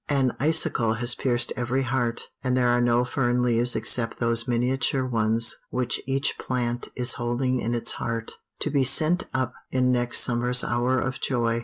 An icicle has pierced every heart; and there are no fern leaves except those miniature ones which each plant is holding in its heart, to be sent up in next summer's hour of joy.